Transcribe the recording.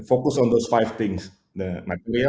fokus pada lima hal itu